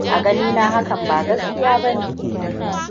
A ganina hakan ba gaskiya bane.